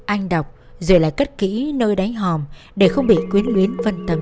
anh đọc rồi lại cất kỹ nơi đánh hòm để không bị quyến luyến vân tâm